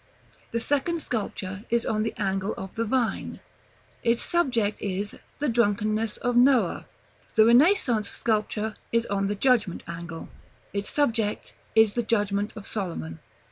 The second sculpture is on the angle of the Vine: Its subject is the DRUNKENNESS OF NOAH. The Renaissance sculpture is on the Judgment angle: Its subject is the JUDGMENT OF SOLOMON.